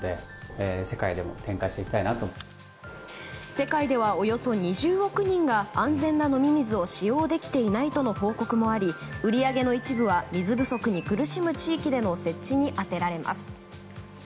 世界ではおよそ２０億人が安全な飲み水を使用できていないとの報告もあり売り上げの一部は水不足に苦しむ地域での設置に充てられます。